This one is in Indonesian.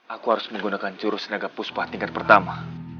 aku harus menggunakan jurus tenaga puspa tingkat pertama